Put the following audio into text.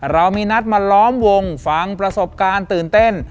เรามีนัดมาล้อมวงฟังประสบการณ์ตื่นเต้น